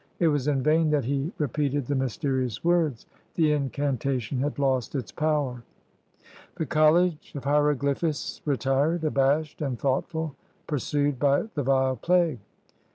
It was in vain that he re peated the mysterious words, the incantation had lost its power. The college of hieroglyphists retired, abashed and thoughtful, pursued by the vile plague.